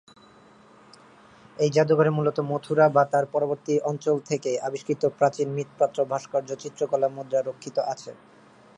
এই জাদুঘরে মূলত মথুরা বা তার পার্শ্ববর্তী অঞ্চল থেকে আবিষ্কৃত প্রাচীন মৃৎপাত্র, ভাস্কর্য, চিত্রকলা, মুদ্রা রক্ষিত আছে।